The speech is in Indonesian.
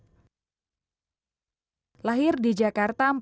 dimas prasetyo muharam yang sekarang menjadi ketua kartunet